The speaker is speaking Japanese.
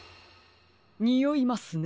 においますね。